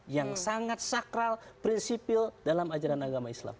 yang sangat sakral prinsipil dalam ajaran agama islam